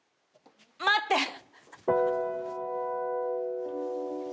待って！